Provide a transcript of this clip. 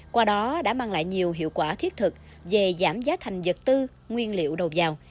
qua đó đã mang lại nhiều hiệu quả thiết thực về giảm giá thành vật tư nguyên liệu đầu vào